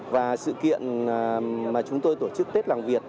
và sự kiện mà chúng tôi tổ chức tết làng việt